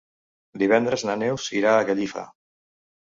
Divendres na Neus irà a Gallifa.